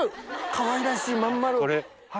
かわいらしい真ん丸。